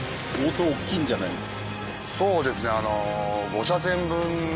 そうですね。